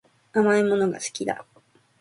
甘いものが好きだ